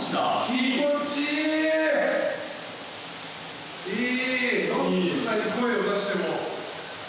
気持ちいい。